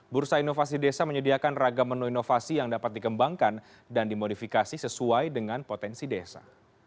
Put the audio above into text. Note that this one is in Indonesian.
bursa inovasi desa menyediakan ragam menu inovasi yang dapat dikembangkan dan dimodifikasi sesuai dengan potensi desa